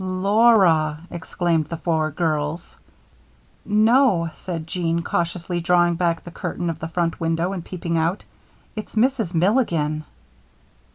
"Laura!" exclaimed the four girls. "No," said Jean, cautiously drawing back the curtain of the front window and peeping out. "It's Mrs. Milligan!"